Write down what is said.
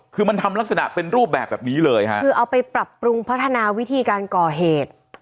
คือมันทำลักษณะเป็นรูปแบบนี้เลยค่ะคือเอาไปปรับปรุงพัฒนาวิธีการก่อเหตุ